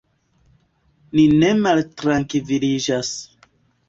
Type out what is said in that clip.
Ni ne maltrankviliĝas.